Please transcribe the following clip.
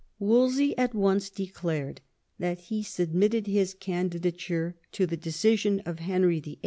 Wolsey at once declared that he submitted his candidature to the decision of Henry VIII.